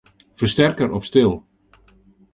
Fersterker op stil.